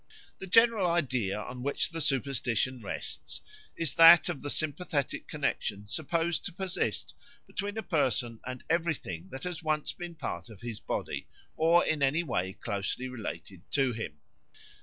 The general idea on which the superstition rests is that of the sympathetic connexion supposed to persist between a person and everything that has once been part of his body or in any way closely related to him.